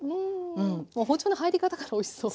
もう包丁の入り方からおいしそう。